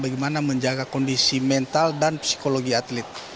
bagaimana menjaga kondisi mental dan psikologi atlet